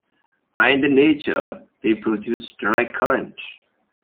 By their nature, they produce direct current.